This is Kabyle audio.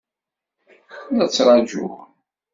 La ttṛajun.